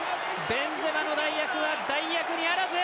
ベンゼマの代役は代役にあらず。